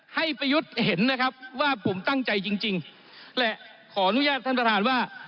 ประยุทธ์เห็นนะครับว่าผมตั้งใจจริงจริงและขออนุญาตท่านประธานว่า